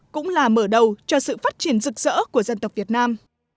cũng là mở đầu cho sự phát triển rực rỡ của dân tộc việt nam